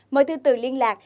mời thư tử liên lạc